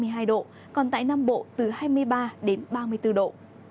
từ hai mươi ba mươi hai độ còn tại nam bộ từ hai mươi ba ba mươi bốn độ